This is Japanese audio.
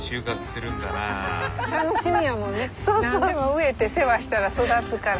何でも植えて世話したら育つから。